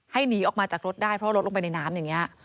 หนีออกมาจากรถได้เพราะรถลงไปในน้ำอย่างนี้